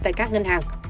tại các ngân hàng